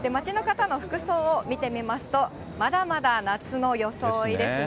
街の方の服装を見てみますと、まだまだ夏の装いですね。